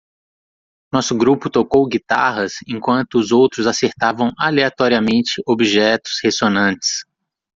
Nosso grupo tocou guitarras enquanto os outros acertavam aleatoriamente objetos ressonantes.